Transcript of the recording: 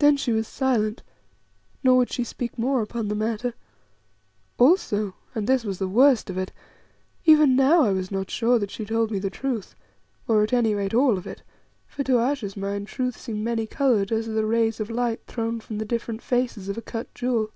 Then she was silent, nor would she speak more upon the matter. Also and this was the worst of it even now I was not sure that she told me the truth, or, at any rate, all of it, for to Ayesha's mind truth seemed many coloured as are the rays of light thrown from the different faces of a cut jewel.